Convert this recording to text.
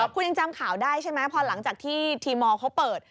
คุณยังจำข่าวได้ใช่ไหมพอหลังจากที่ทีมมอลเขาเปิด